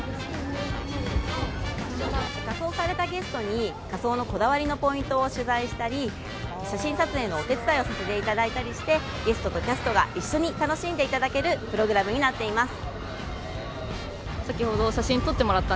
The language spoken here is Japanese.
仮装されたゲストに、仮装のこだわりのポイントを取材したり写真撮影のお手伝いをさせていただいたりしてゲストとキャストが一緒に楽しんでいただけるプログラムになっています。